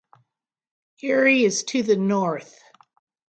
Erie is to the north.